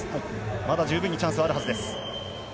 まだ十分チャンスはあるはずです。